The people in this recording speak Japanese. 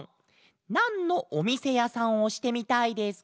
「なんのおみせやさんをしてみたいですか？」。